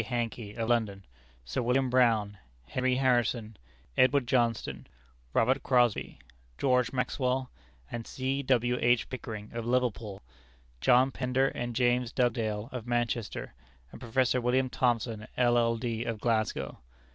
Hankey, of London; Sir William Brown, Henry Harrison, Edward Johnston, Robert Crosbie, George Maxwell, and C. W. H. Pickering, of Liverpool; John Pender and James Dugdale, of Manchester; and Professor William Thomson, LL.D., of Glasgow.